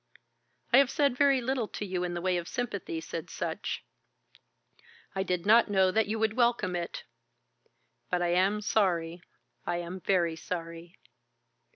"I have said very little to you in the way of sympathy," said Sutch. "I did not know that you would welcome it. But I am sorry. I am very sorry."